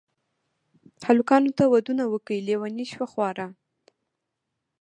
الکانو ته ودونه وکئ لېوني شوه خواران.